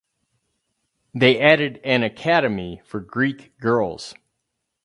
They added an academy for Greek girls.